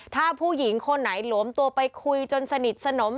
ถ้าผู้หญิงคนไหนหลวมตัวไปคุยจนสนิทสนม